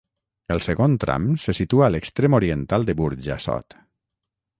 El segon tram se situa a l'extrem oriental de Burjassot.